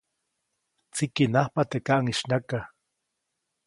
Tsikiʼnajpa teʼ kaʼŋis nyaka.